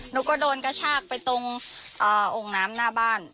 หนูก็โดนกระชากไปตรงองค์น้ำหน้าบ้าน